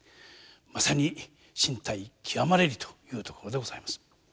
まさに「進退極まれり」というところでございます。